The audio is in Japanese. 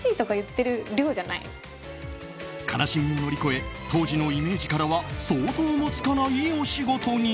悲しみを乗り越え当時のイメージからは想像もつかないお仕事に。